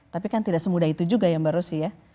tapi kan tidak semudah itu juga yang baru sih ya